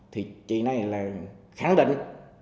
thì chị này là khẳng định